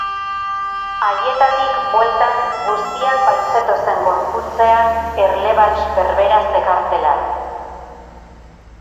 Haietatik bueltan guztiak baitzetozen gorputzean erle-bals berbera zekartela.